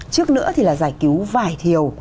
trước nữa thì là giải cứu vải thiều